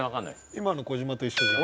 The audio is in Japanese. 今の小島と一緒じゃん。